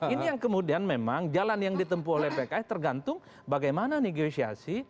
ini yang kemudian memang jalan yang ditempuh oleh pks tergantung bagaimana negosiasi